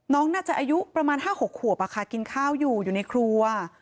น้องน่าจะอายุประมาณ๕๖ขวบกินข้าวอยู่อยู่ในครัว